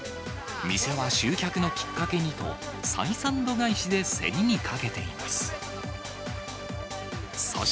店は集客のきっかけにと、採算度外視で競りにかけています。